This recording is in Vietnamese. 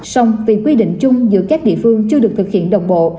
song vì quy định chung giữa các địa phương chưa được thực hiện đồng bộ